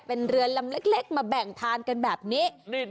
เป็นเรือลำเล็กมาแบ่งทานกันแบบนี้